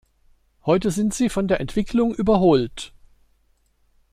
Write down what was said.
Heute sind sie von der Entwicklung überholt.